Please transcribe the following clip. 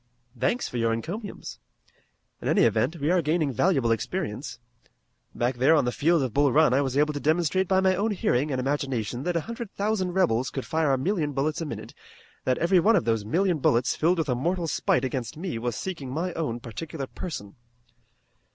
"Thanks for your encomiums. In any event we are gaining valuable experience. Back there on the field of Bull Run I was able to demonstrate by my own hearing and imagination that a hundred thousand rebels could fire a million bullets a minute; that every one of those million bullets filled with a mortal spite against me was seeking my own particular person."